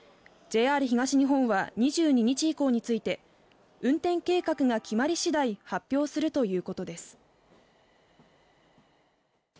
ＪＲ東日本は２２日以降について運転計画が決まり次第発表するということです。